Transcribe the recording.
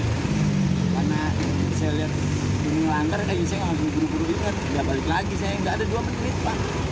karena saya lihat ini langgar saya langsung buru buru ingat gak balik lagi sayang gak ada dua menit pak